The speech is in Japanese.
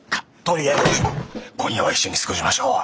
とりあえず今夜は一緒に過ごしましょう。